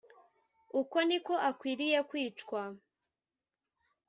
uko ni ko akwiriye kwicwa.